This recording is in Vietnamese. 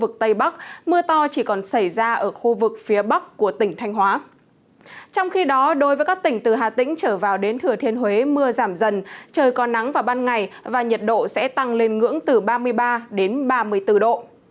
các tỉnh từ hà tĩnh trở vào đến thừa thiên huế mưa giảm dần trời còn nắng vào ban ngày và nhiệt độ sẽ tăng lên ngưỡng từ ba mươi ba đến ba mươi bốn độ